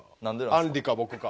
あんりか僕か。